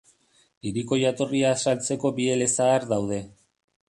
Hiriko jatorria azaltzeko bi elezahar daude.